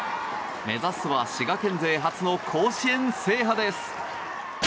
目指すは滋賀県勢初の甲子園制覇です。